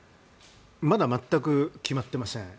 まだ全く決まってません。